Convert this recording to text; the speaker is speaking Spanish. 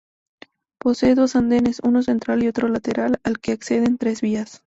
Posee dos andenes, uno central y otro lateral al que acceden tres vías.